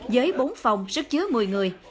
với bốn phòng sức chứa một mươi người